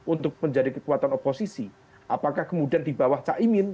untuk menjadi kekuatan oposisi apakah kemudian di bawah caimin